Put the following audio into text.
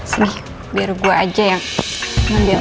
sedih biar gue aja yang ngambil